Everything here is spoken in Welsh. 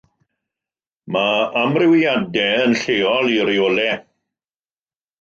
Mae amrywiadau yn lleol i reolau.